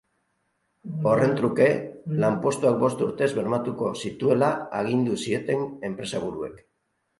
Horren truke, lanpostuak bost urtez bermatuko zituela agindu zieten enpresaburuek.